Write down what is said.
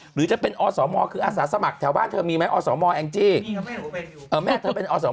หรือจะเป็นอสมคืออาสาสมัครแถวบ้านเธอมีไหมอสมแอ่นจริง